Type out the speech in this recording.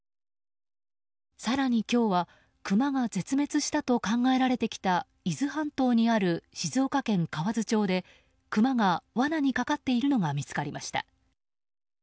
更に今日は、クマが絶滅したと考えられてきた伊豆半島にある静岡県河津町でクマが罠にかかっているのが見つかりました。